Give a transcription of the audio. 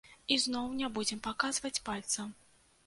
Ізноў не будзем паказваць пальцам.